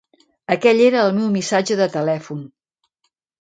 Aquell era el meu missatge de telèfon.